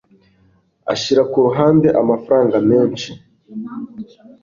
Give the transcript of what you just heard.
Ashira ku ruhande amafaranga menshi.